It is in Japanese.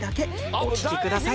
お聞きください